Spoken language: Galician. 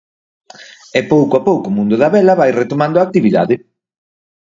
E pouco a pouco o mundo da vela vai retomando a actividade.